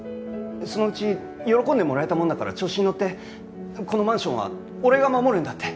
そのうち喜んでもらえたもんだから調子にのってこのマンションは俺が守るんだ！